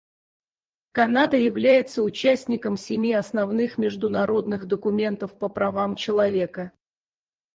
Канада является участником семи основных международных документов по правам человека.